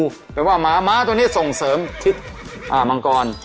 หมายว่าหมาม้าตัวนี้ส่งเสริมทิศมังกร